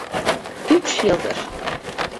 Üç yıldır.